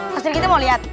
pak sri kitty mau lihat